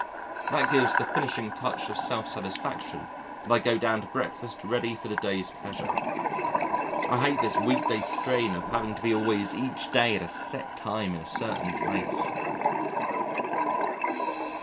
That gives the finishing touch of self satisfaction, and I go down to breakfast ready for the day's pleasure. I hate this weekday strain of having to be always each day at a set time in a certain place.